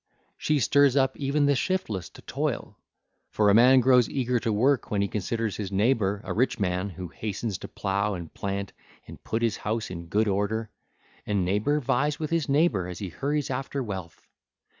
She stirs up even the shiftless to toil; for a man grows eager to work when he considers his neighbour, a rich man who hastens to plough and plant and put his house in good order; and neighbour vies with his neighbour as he hurries after wealth.